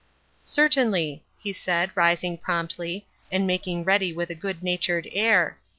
" Certainly," he said, rising promptly, and making ready with a good natured air.